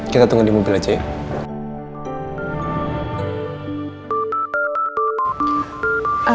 kita tunggu di mobil aja ya